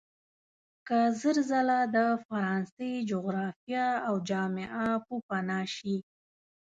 که زر ځله د فرانسې جغرافیه او جامعه پوپناه شي.